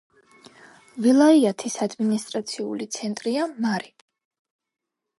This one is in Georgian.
ველაიათის ადმინისტრაციული ცენტრია მარი.